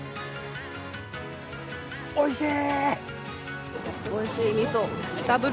おいしい！